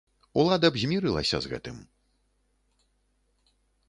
Улада б змірылася з гэтым.